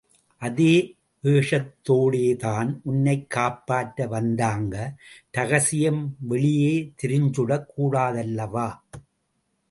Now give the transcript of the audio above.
அதே வேஷத்தோடேதான் உன்னைக் காப்பாற்ற வந்தாங்க ரகசியம் வெளியே தெரிஞ்சுடக் கூடாதல்லவா?